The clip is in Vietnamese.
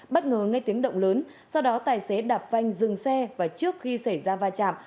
bất ngờ nghe tiếng động lớn sau đó tài xế đạp vanh dừng xe và trước khi xảy ra va chạm